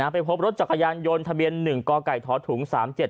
ไปพบรถจักรยานยนต์ทะเบียน๑กไก่ท้อถุง๓๗